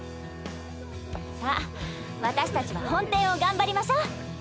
さあ私たちは本店を頑張りましょ。